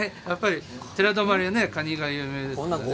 寺泊はカニが有名ですからね。